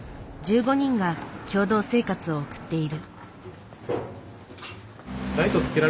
１５人が共同生活を送っている。